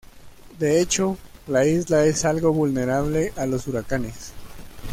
De hecho, la isla es algo vulnerable a los huracanes.